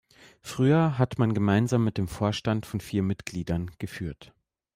Früher hat man gemeinsam mit dem Vorstand von vier Mitgliedern geführt.